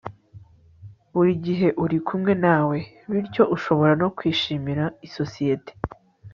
buri gihe uri kumwe nawe, bityo ushobora no kwishimira isosiyete